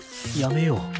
やめよう。